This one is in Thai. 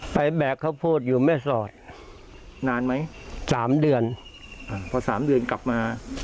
แบกข้าวโพดอยู่แม่สอดนานไหมสามเดือนพอสามเดือนกลับมา